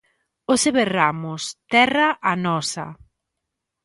Hoxe berramos: Terra a nosa!